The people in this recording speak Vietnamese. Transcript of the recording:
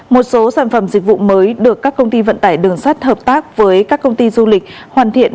một số sản phẩm dịch vụ mới được các công ty vận tải đường sắt hợp tác với các công ty du lịch hoàn thiện